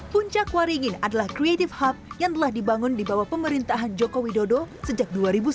puncak waringin adalah creative hub yang telah dibangun di bawah pemerintahan joko widodo sejak dua ribu sembilan belas